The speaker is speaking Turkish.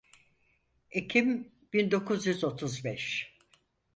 Ekim bin dokuz yüz otuz beş.